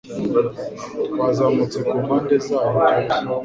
Twazamutse ku mpande zayo byoroshye